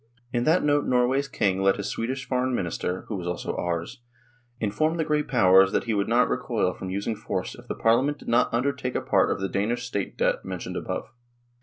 In that note Norway's King let his Swedish Foreign Minister who was also " ours " inform the Great Powers that he would not recoil from using force if the Parliament did not undertake a part of the Danish State debt mentioned above.